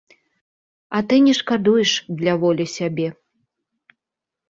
А ты не шкадуеш для волі сябе.